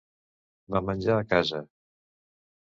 Vam menjar a casa.